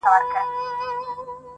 لقمانه ډېر به راوړې د خپل عقل مرهمونه -